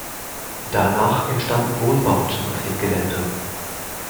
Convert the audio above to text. Danach entstanden Wohnbauten auf dem Gelände.